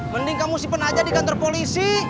mending kamu simpen aja di kantor polisi